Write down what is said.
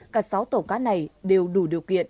cả sáu tàu cá này đều đủ điều kiện